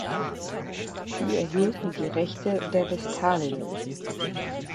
Sie erhielten die Rechte der Vestalinnen.